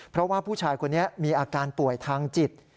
เพราะว่าผู้ชายคนนี้มีอาการป่วยทางจิต